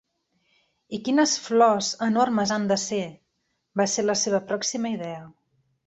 'I quines flors enormes han de ser! 'va ser la seva pròxima idea.